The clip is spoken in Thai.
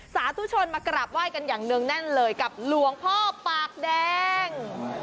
สาธุชนมากราบไหว้กันอย่างเนื่องแน่นเลยกับหลวงพ่อปากแดง